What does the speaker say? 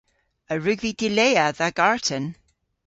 A wrug vy dilea dha garten?